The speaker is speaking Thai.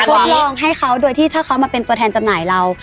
ทดลองให้เขาโดยที่ถ้าเขามาเป็นตัวแทนจำหน่ายเรา